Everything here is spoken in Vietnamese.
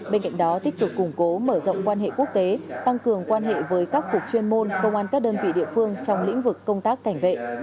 bên cạnh đó tích cực củng cố mở rộng quan hệ quốc tế tăng cường quan hệ với các cục chuyên môn công an các đơn vị địa phương trong lĩnh vực công tác cảnh vệ